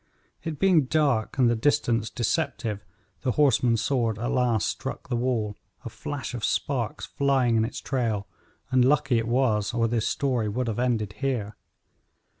It being dark, and the distance deceptive, the horseman's sword at last struck the wall, a flash of sparks flying in its trail, and lucky it was, or this story would have ended here.